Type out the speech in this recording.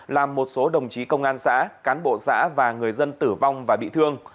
làm một số đồng chí công an xã cán bộ xã và người dân tử vong và bị thương